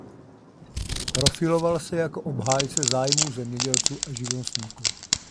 Profiloval se jako obhájce zájmů zemědělců a živnostníků.